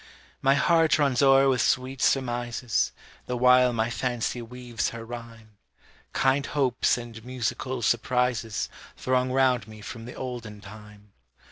My heart runs o'er with sweet surmises, The while my fancy weaves her rhyme, Kind hopes and musical surprises Throng round me from the olden time.